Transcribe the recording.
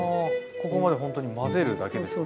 ここまでほんとに混ぜるだけですけど。